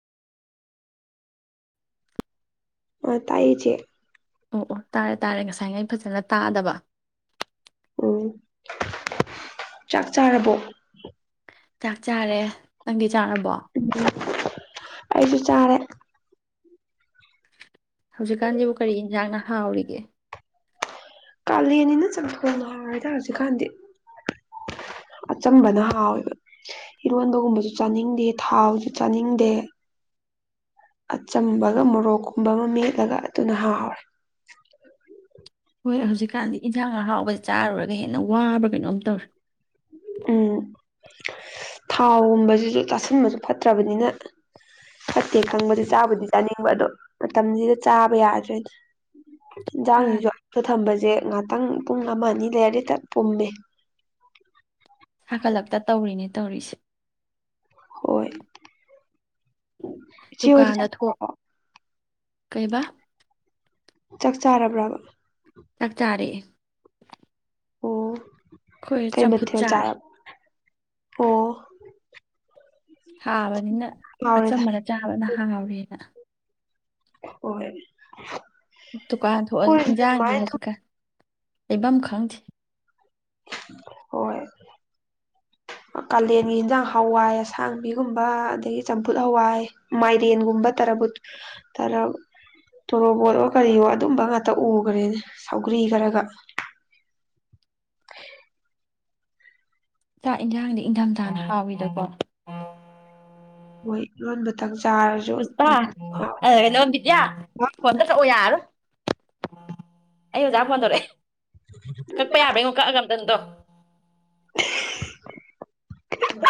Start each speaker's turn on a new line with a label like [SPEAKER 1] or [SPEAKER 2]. [SPEAKER 1] ꯇꯥꯛꯆꯦ
[SPEAKER 2] ꯑꯣ ꯑꯣ ꯇꯥꯔꯦ ꯇꯥꯔꯦ ꯉꯁꯥꯏ ꯉ ꯑꯩ ꯐꯖꯅ ꯇꯥꯗꯕ
[SPEAKER 1] ꯎꯝ ꯆꯥꯛ ꯆꯥꯔꯕꯣ
[SPEAKER 2] ꯆꯥꯛ ꯆꯥꯔꯦ ꯅꯪꯗꯤ ꯆꯥꯔꯕꯣ
[SPEAKER 1] ꯎ ꯑꯩꯁꯨ ꯆꯥꯔꯦ
[SPEAKER 2] ꯍꯧꯖꯤꯛꯀꯥꯟꯁꯤꯕꯨ ꯀꯔꯤ ꯌꯦꯟꯁꯥꯡꯅ ꯍꯥꯎꯔꯤꯒꯦ
[SPEAKER 1] ꯀꯥꯂꯦꯟꯅꯤꯅ ꯆꯪꯄꯣꯅ ꯍꯥꯏꯔꯦꯗ ꯍꯧꯖꯤꯛꯀꯥꯟꯗꯤ ꯑꯆꯝꯕꯅ ꯍꯥꯎꯋꯦꯕ ꯏꯔꯣꯟꯕꯒꯨꯝꯕꯁꯨ ꯆꯥꯅꯤꯡꯗꯦ ꯊꯥꯕꯁꯨ ꯆꯥꯅꯤꯡꯗꯦ ꯑꯆꯝꯕꯒ ꯃꯣꯔꯣꯛꯀꯨꯝꯕ ꯑꯃ ꯃꯦꯠꯂꯒ ꯑꯗꯨꯅ ꯍꯥꯎꯔꯦ
[SPEAKER 2] ꯍꯣꯏ ꯍꯧꯖꯤꯛꯀꯥꯟꯗꯤ ꯏꯟꯖꯥꯡ ꯍꯔꯥꯎꯕꯁ ꯆꯥꯔꯨꯔꯒ ꯍꯦꯟꯅ ꯋꯥꯕ ꯀꯩꯅꯣꯝ ꯇꯧꯔꯦ
[SPEAKER 1] ꯎꯝ ꯊꯥꯎꯒꯨꯝꯕꯁꯤꯁꯨ ꯆꯥꯥꯁꯟꯕꯁꯨ ꯐꯠꯇ꯭ꯔꯕꯅꯤꯅ ꯐꯠꯇꯦ ꯈꯪꯕꯗꯤ ꯆꯥꯕꯨꯗꯤ ꯆꯥꯅꯤꯡꯕ ꯑꯗꯣ ꯃꯇꯝꯁꯤꯗ ꯆꯥꯕ ꯌꯥꯗ꯭ꯔꯦ
[SPEAKER 2] ꯑꯥ
[SPEAKER 1] ꯏꯟꯁꯥꯡꯁꯤꯁꯨ ꯑꯇ ꯊꯝꯕꯁꯦ ꯉꯥꯛꯇꯪ ꯄꯨꯡ ꯑꯃ ꯑꯅꯤ ꯂꯩꯔꯔ ꯇꯠ ꯄꯨꯝꯃꯦ
[SPEAKER 2] ꯍꯥꯀꯠꯂꯛꯇ ꯇꯧꯔꯤꯅꯦ ꯇꯧꯔꯤꯁꯦ
[SPEAKER 1] ꯍꯣꯏ ꯏꯆꯦ ꯍꯣꯏꯗꯤ
[SPEAKER 2] ꯗꯨꯀꯥꯟꯗ
[SPEAKER 1] ꯆꯥꯛ
[SPEAKER 2] ꯊꯣꯛ
[SPEAKER 1] ꯆꯥꯔꯕꯣ
[SPEAKER 2] ꯀꯩꯕꯥ
[SPEAKER 1] ꯆꯥꯛ ꯆꯥꯔꯕ꯭ꯔꯕ
[SPEAKER 2] ꯆꯥꯛꯇꯥꯔꯛꯑꯦ
[SPEAKER 1] ꯑꯣ
[SPEAKER 2] ꯑꯩꯈꯣꯏ
[SPEAKER 1] ꯀꯩ
[SPEAKER 2] ꯆꯝꯐꯨꯠ
[SPEAKER 1] ꯃꯊꯦꯜ
[SPEAKER 2] ꯆꯥꯔꯦ
[SPEAKER 1] ꯆꯥꯔꯕ ꯑꯣ
[SPEAKER 2] ꯍꯥꯕꯅꯤꯅ
[SPEAKER 1] ꯌꯥꯎꯔꯦꯗ
[SPEAKER 2] ꯑꯆꯝꯕꯅ ꯆꯥꯕꯅ ꯍꯥꯎꯔꯦꯅ
[SPEAKER 1] ꯍꯣꯏ
[SPEAKER 2] ꯗꯨꯀꯥꯟ ꯊꯣꯛꯑꯁꯨ
[SPEAKER 1] ꯑꯩꯈꯣꯏꯁꯤꯗꯤ
[SPEAKER 2] ꯏꯟꯖꯥꯡꯗꯤ
[SPEAKER 1] ꯑꯗꯨꯃꯥꯏꯅ ꯑꯗꯨꯝ
[SPEAKER 2] ꯍꯧꯖꯤꯛꯀꯥꯟ ꯂꯩꯐꯝ ꯈꯪꯗꯦ
[SPEAKER 1] ꯍꯣꯏꯣꯏ ꯀꯥꯂꯦꯟꯒꯤ ꯌꯦꯟꯖꯥꯡ ꯍꯋꯥꯏ ꯑꯁꯥꯡꯕꯤꯒꯨꯝꯕ ꯑꯗꯒꯤ ꯆꯝꯐꯨꯠ ꯍꯋꯥꯏ ꯃꯥꯏꯔꯤꯦꯟꯒꯨꯝꯕ ꯇꯔꯥꯕꯨ ꯇꯔꯥ ꯇꯣꯔꯣꯕꯣꯠ ꯑꯣꯣ ꯀꯔꯤꯑꯣꯣ ꯑꯗꯨꯝꯕ ꯉꯥꯛꯇ ꯎꯈ꯭ꯔꯦꯅꯦ ꯁꯥꯎꯒ꯭ꯔꯤ ꯈꯔꯒ
[SPEAKER 2] ꯆꯥꯛ ꯌꯦꯟꯖꯥꯡꯗꯤ ꯏꯪꯊꯝꯊꯥꯅ ꯍꯥꯎꯋꯗꯀꯣ
[SPEAKER 1] ꯍꯣꯏ ꯏꯔꯣꯟꯕꯗꯪ ꯆꯥꯔꯁꯤ
[SPEAKER 2] ꯄꯨꯁꯄꯥ ꯍꯩꯅꯣ ꯕꯤꯗ꯭ꯌꯥ ꯐꯣꯟꯇ ꯀꯛꯑꯣ ꯌꯥꯔꯣ ꯑꯩ ꯑꯣꯖꯥ ꯐꯣꯟꯊꯣꯔꯛꯑꯦ ꯀꯛꯄ ꯌꯥꯕ꯭ꯔ ꯑꯩꯉꯣ ꯀꯛꯑꯒ ꯑꯝꯇꯪꯗꯣ
[SPEAKER 1] [inaudible]